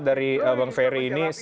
dari bang ferry ini